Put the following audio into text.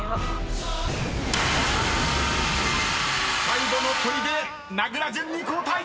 ［最後のとりで名倉潤に交代！］